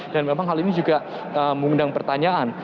dan memang hal ini juga mengundang pertanyaan